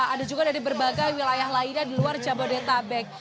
ada juga dari berbagai wilayah lainnya di luar jabodetabek